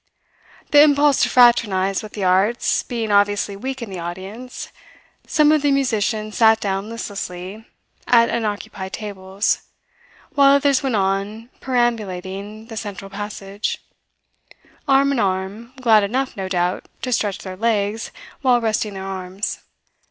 The impulse to fraternize with the arts being obviously weak in the audience, some of the musicians sat down listlessly at unoccupied tables, while others went on perambulating the central passage: arm in arm, glad enough, no doubt, to stretch their legs while resting their arms.